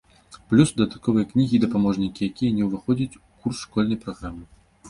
Плюс дадатковыя кнігі і дапаможнікі, якія не ўваходзяць у курс школьнай праграмы.